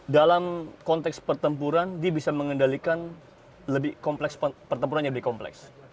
dalam konteks pertempuran dia bisa mengendalikan pertempuran yang lebih kompleks